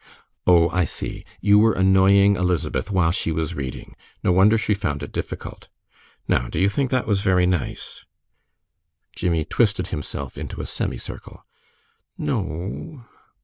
"Oh, I see. You were annoying Elizabeth while she was reading. No wonder she found it difficult. Now, do you think that was very nice?" Jimmie twisted himself into a semicircle. "N o o."